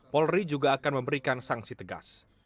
polri juga akan memberikan sanksi tegas